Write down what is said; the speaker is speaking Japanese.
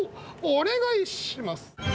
お願いします！